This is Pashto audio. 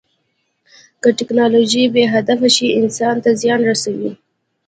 که ټیکنالوژي بې هدفه شي، انسان ته زیان رسوي.